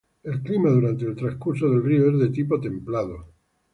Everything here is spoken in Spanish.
El clima durante el trascurso del río es de tipo templado.